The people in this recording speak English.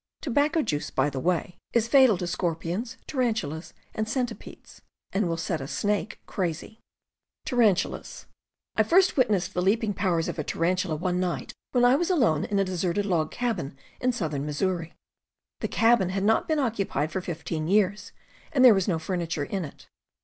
Tobacco juice, by the way, is fatal to scor PESTS OF THE WOODS 177 pions, tarantulas, and centipedes, and will set a snake crazy. I first witnessed the leaping powers of a tarantula one night when I was alone in a deserted log cabin in southern Missouri. The cabin had not been occupied for fifteen years, and there was no furniture in it.